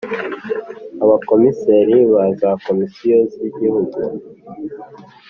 Abakomiseri ba za komisiyo z igihugu